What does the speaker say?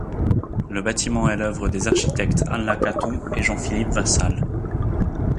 Le bâtiment est l’œuvre des architectes Anne Lacaton et Jean-Philippe Vassal.